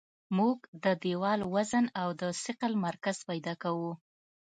موږ د دیوال وزن او د ثقل مرکز پیدا کوو